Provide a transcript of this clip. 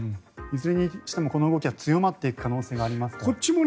いずれにしてもこの動きは強まっていく可能性がありますから。